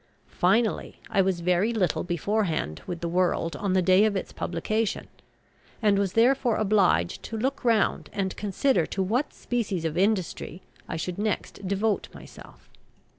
Finally, I was very little beforehand with the world on the day of its publication, and was therefore obliged to look round and consider to what species of industry I should next devote myself.